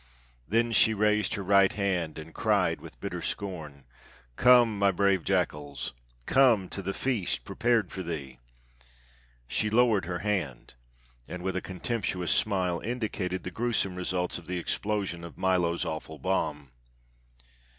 Then she raised her right hand, and cried with bitter scorn: "Come, my brave jackals! Come to the feast prepared for thee." She lowered her hand and with a contemptuous smile indicated the gruesome results of the explosion of Milo's awful bomb.